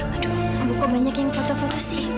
aduh kamu kok banyak yang foto foto sih